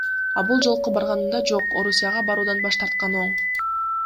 А бул жолку барганымда, жок, Орусияга баруудан баш тарткан оң.